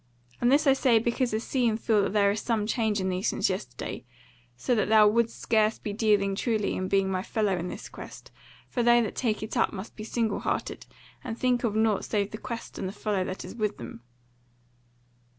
And this I say because I see and feel that there is some change in thee since yesterday, so that thou wouldst scarce be dealing truly in being my fellow in this quest: for they that take it up must be single hearted, and think of nought save the quest and the fellow that is with them."